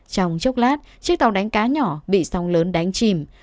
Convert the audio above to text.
trong chốc lát chiếc tàu đánh cá nhỏ bị sóng lớn đánh chìm